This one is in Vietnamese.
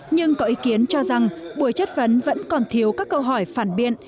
nhưng có ý kiến cho rằng buổi chất vấn vẫn còn thiếu các câu hỏi phản biện